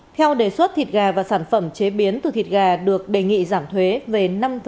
theo đề xuất thịt gà và sản phẩm chế biến từ thịt gà được đề nghị giảm thuế về năm